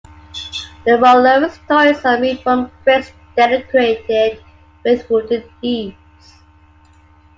The four lowest storeys are made from bricks decorated with wooden eaves.